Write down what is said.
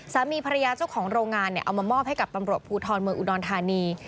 สามีภรรยาเจ้าของโรงงานเอามามอบให้กับตำรวจภูทรเมืองอุดรธานี